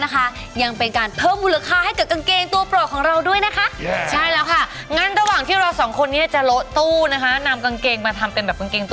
สามารถกางเกงขาสร้างทีเป็นทาเป็นอะไรมาทำได้หมดเลยค่ะ